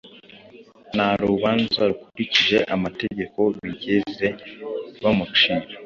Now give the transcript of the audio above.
Nta rubanza rukurikije amategeko bigeze bamucira